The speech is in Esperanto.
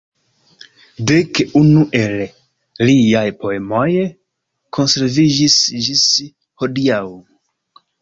Dek unu el liaj poemoj konserviĝis ĝis hodiaŭ.